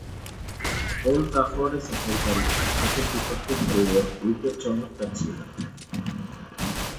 Old ট্রাফোর্ডে সফরকারী ভারতের বিপক্ষে খেললেও উইকেট চমৎকার ছিল।